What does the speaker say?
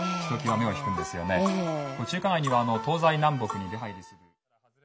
これ中華街には東西南北に出はいりする。